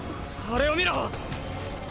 あれを見ろ！！